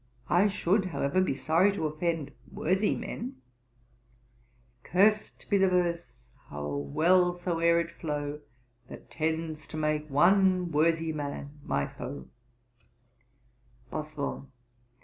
I should, however, be sorry to offend worthy men: "Curst be the verse, how well so e'er it flow, That tends to make one worthy man my foe."' BOSWELL.